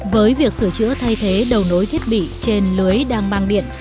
với việc sửa chữa thay thế đầu nối thiết bị trên lưới đang mang điện